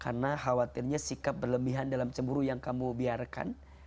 karena khawatirnya sikap berlebihan dalam cemburu yang kamu biarkan